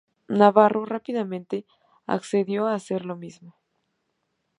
Navarro rápidamente accedió a hacer lo mismo.